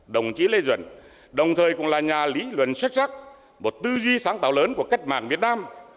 đồng chí lê duẩn đồng thời cũng là nhà lý luận xuất sắc một tư duy sáng tạo lớn của cách mạng việt nam